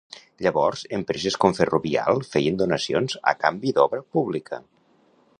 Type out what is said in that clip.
Llavors, empreses com Ferrovial feien donacions a canvi d'obra pública.